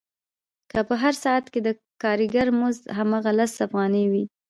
که په هر ساعت کې د کارګر مزد هماغه لس افغانۍ وي